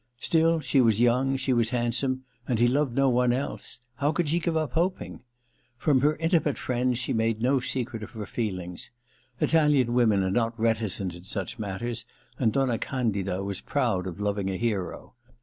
Still, she was young, she was handsome, and he loved no one else : how could she give up hoping ? From her intimate friends she made no secret of her feelings : Italian women are not reticent in such matters, and Donna Candida was proud of loving a hero.